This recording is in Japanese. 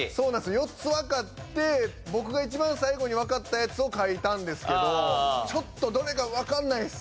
４つわかって僕が一番最後にわかったやつを書いたんですけどちょっとどれかわかんないです。